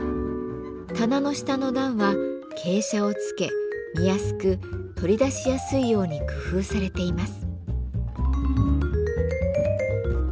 棚の下の段は傾斜を付け見やすく取り出しやすいように工夫されています。